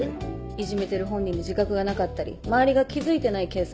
いじめてる本人に自覚がなかったり周りが気付いてないケースもあるから。